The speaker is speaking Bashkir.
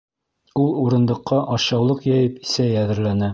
Ул урындыҡҡа ашъяулыҡ йәйеп сәй әҙерләне.